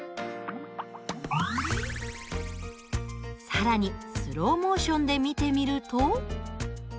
更にスローモーションで見てみると。